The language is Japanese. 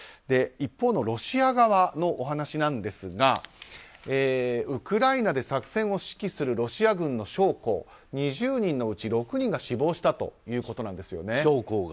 一方のロシア側のお話ですがウクライナで作戦を指揮するロシア軍の将校２０人のうち６人が死亡したということなんです。